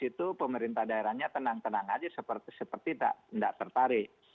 itu pemerintah daerahnya tenang tenang aja seperti tidak tertarik